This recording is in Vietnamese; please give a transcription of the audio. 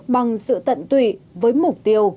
bằng sự tận tụy với mục tiêu